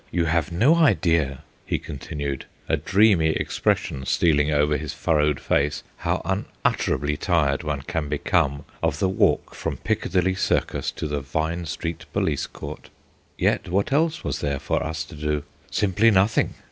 "You have no idea," he continued, a dreamy expression stealing over his furrowed face, "how unutterably tired one can become of the walk from Piccadilly Circus to the Vine Street Police Court. Yet, what else was there for us to do? Simply nothing.